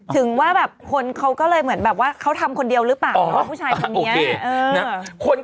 ถึงว่าแบบคนเขาก็เลยเหมือนแบบว่าเขาทำคนเดียวหรือเปล่าเนาะผู้ชายคนนี้